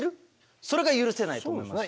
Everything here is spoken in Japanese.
それが許せないと思いますね。